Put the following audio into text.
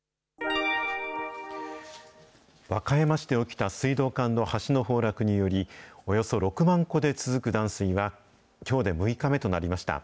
和歌山市で起きた水道管の橋の崩落により、およそ６万戸で続く断水はきょうで６日目となりました。